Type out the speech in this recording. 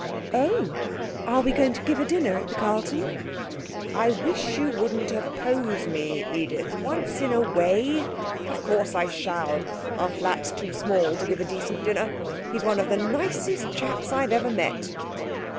'Oh, are we going to give a dinner at the Carlton?' 'I wish you wouldn't oppose me, Edith. Once in a way! Of course I shall. Our flat's too small to give a decent dinner. He's one of the nicest chaps I've ever met.'